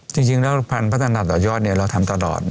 จริงแล้วพันธุ์พัฒนาต่อยอดเราทำตลอด